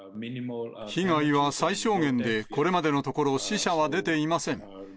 被害は最小限でこれまでのところ、死者は出ていません。